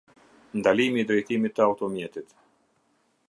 Ndalimi i drejtimit të automjetit.